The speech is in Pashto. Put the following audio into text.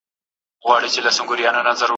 پر تېر سوى دئ ناورين د زورورو